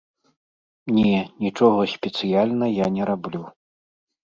Не, нічога спецыяльна я не раблю.